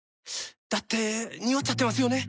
だってニオっちゃってますよね。